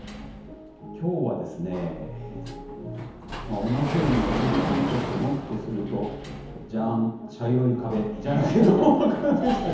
きょうは、同じようにとんとんとして、ノックすると、じゃん、茶色い壁、じゃなくてどーもくんでした。